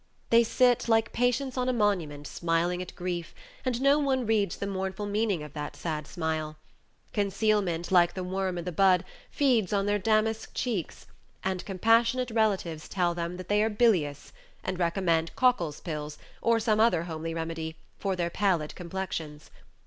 They sit, like Patience on a monument, smiling at grief, and no one reads the mournful meaning of that sad smile. Concealment, like the worm i' the bud, feeds on their damask cheeks, and compassionate relatives tell them that they are bilious, and recommend Cockle's pills, or some other homely remedy, for their pallid complexions.